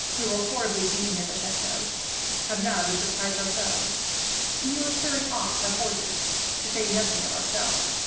We were horribly beaten at the chateau, have now been surprised ourselves, and you are carrying off our horses, to say nothing of ourselves.